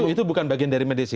itu bukan bagian dari mediasi